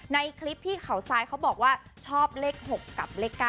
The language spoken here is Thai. ในคลิปที่เขาทรายเขาบอกว่าชอบเลข๖กับเลข๙